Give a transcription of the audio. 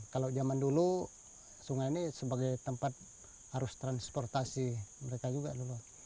kalau zaman dulu sungai ini sebagai tempat arus transportasi mereka juga dulu